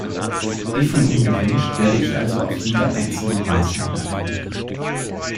Wie von Ihnen gewünscht, werde ich also auf jede einzelne Maßnahme eingehen.